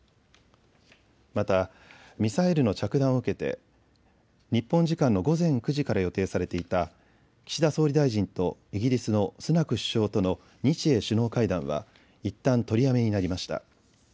またミサイルの着弾を受けて日本時間の午前９時から予定されていた岸田総理大臣とイギリスのスナク首相との日英首脳会談はいったん取りやめになりました。